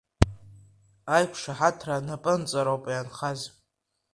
Аиқәшаҳаҭра анапынҵароуп инхаз.